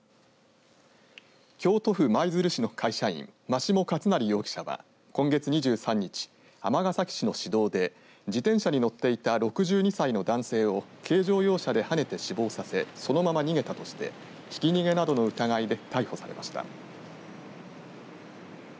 京都府舞鶴市の会社員眞下勝成容疑者は今月２３日尼崎市の市道で自転車に乗っていた６２歳の男性を軽乗用車ではねて死亡させそのまま逃げたとしてひき逃げなどの疑いで逮捕されました。